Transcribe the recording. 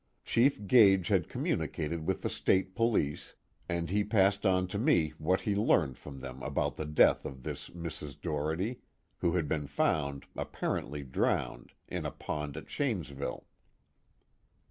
Chief Gage had communicated with the State Police, and he passed on to me what he learned from them about the death of this Mrs. Doherty, who had been found, apparently drowned, in a pond at Shanesville."